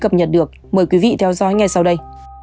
cập nhật được mời quý vị theo dõi ngay sau đây